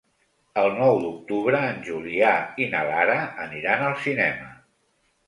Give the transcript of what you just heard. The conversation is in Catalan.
El nou d'octubre en Julià i na Lara aniran al cinema.